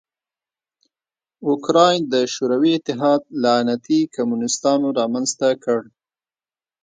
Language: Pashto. اوکراین د شوروي اتحاد لعنتي کمونستانو رامنځ ته کړ.